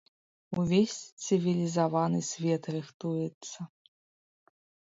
Увесь цывілізаваны свет рыхтуецца.